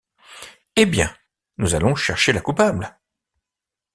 Eh bien, nous allons chercher la coupable !